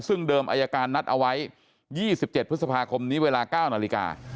ซึ่งเดิมอายการนัดเอาไว้๒๗พฤษภาคมนี้เวลา๙นาฬิกา